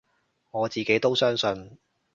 我自己都相信